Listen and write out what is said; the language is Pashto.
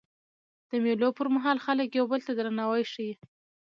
د مېلو پر مهال خلک یو بل ته درناوی ښيي.